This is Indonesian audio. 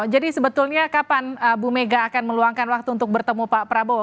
jadi sebetulnya kapan bu mega akan meluangkan waktu untuk bertemu pak wi hadi